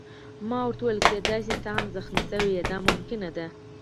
ما ورته وویل: کېدای شي ته هم زخمي شې، دا ممکنه ده.